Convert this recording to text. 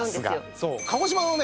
そう鹿児島のね